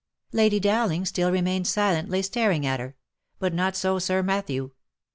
Lady Dowling still remained silently staring at her ; but not so Sir Matthew.